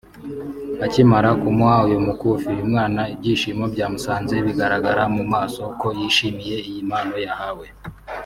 Akimara kumuha uyu mukufi uyu mwana ibyishimo byamusaze bigaragara mu maso ko yishimiye iyi mpano yahawe